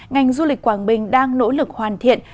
ngành du lịch quảng bình đang nỗ lực hoàn thiện